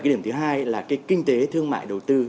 điểm thứ hai là kinh tế thương mại đầu tư